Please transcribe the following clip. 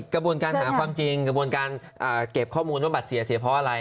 กระบวนการหาความจริงกระบวนการเก็บข้อมูลว่าบัตรเสียเสียเพราะอะไร